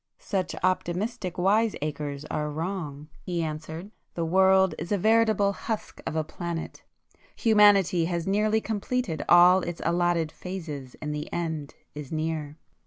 "Such optimistic wise acres are wrong," he answered,—"The world is a veritable husk of a planet; humanity has nearly completed all its allotted phases, and the end is near."